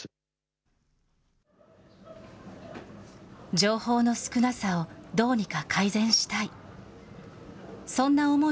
情報の少なさを、どうにか改善したい。